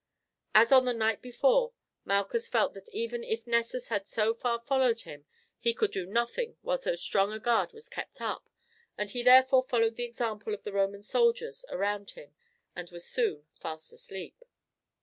As on the night before, Malchus felt that even if Nessus had so far followed him he could do nothing while so strong a guard was kept up, and he therefore followed the example of the Roman soldiers around him and was soon fast asleep.